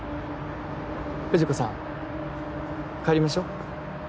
藤子さん帰りましょう。